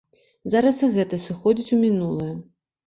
Зараз і гэта сыходзіць у мінулае.